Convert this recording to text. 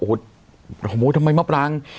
โอ้โหทำไมมะปราง